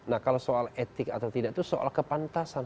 nah kalau soal etik atau tidak itu soal kepantasan